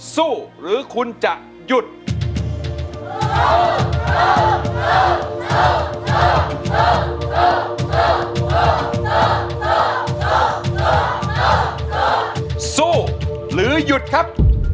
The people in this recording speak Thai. สู้หรือหยุดครับ